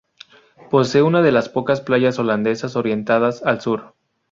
Posee una de las pocas playas holandesas orientadas al Sur.